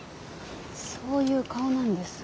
そういう顔なんです。